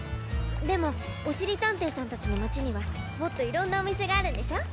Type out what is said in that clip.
でもおしりたんていさんたちのまちにはもっといろんなおみせがあるんでしょう？